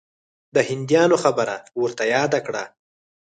د هندیانو خبره ورته یاده کړه.